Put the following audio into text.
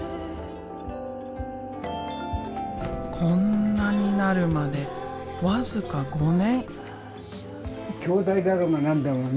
こんなになるまで僅か５年。